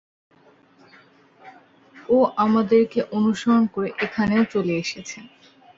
ও আমাদেরকে অনুসরণ করে এখানেও চলে এসেছে!